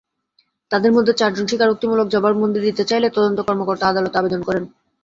তাঁদের মধ্যে চারজন স্বীকারোক্তিমূলক জবানবন্দি দিতে চাইলে তদন্ত কর্মকর্তা আদালতে আবেদন করেন।